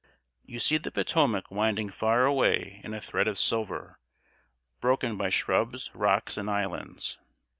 You see the Potomac winding far away in a thread of silver, broken by shrubs, rocks, and islands.